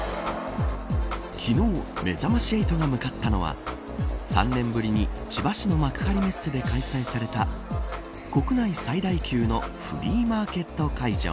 昨日めざまし８が向かったのは３年ぶりに千葉市の幕張メッセで開催された国内最大級のフリーマーケット会場。